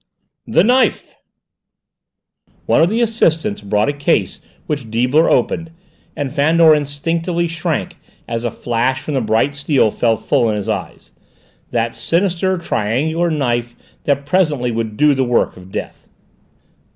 "The knife!" One of the assistants brought a case which Deibler opened, and Fandor instinctively shrank as a flash from the bright steel fell full in his eyes, that sinister triangular knife that presently would do the work of death.